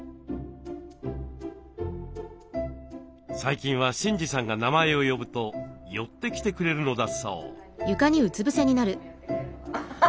最近は慎司さんが名前を呼ぶと寄ってきてくれるのだそう。